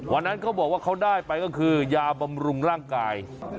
วันนั้นเขาบอกว่าเขาได้ไปก็คือยาบำรุงร่างกาย